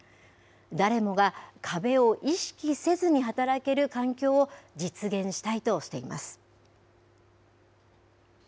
誰もが壁を意識せずに働ける環境を実現したいとしています。